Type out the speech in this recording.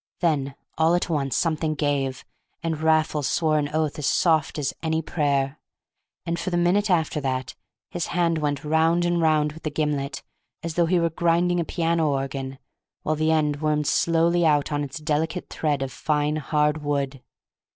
Then all at once something gave, and Raffles swore an oath as soft as any prayer. And for the minute after that his hand went round and round with the gimlet, as though he were grinding a piano organ, while the end wormed slowly out on its delicate thread of fine hard wood.